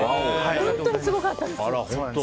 本当にすごかったです。